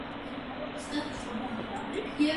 Բուժումը կախված է թունավորում առաջացնող պատճառից։